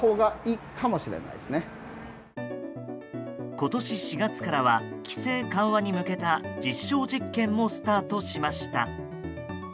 今年４月からは規制緩和に向けた実証実験もスタートしました。